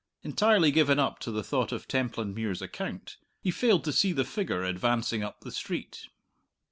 Entirely given up to the thought of Templandmuir's account, he failed to see the figure advancing up the street.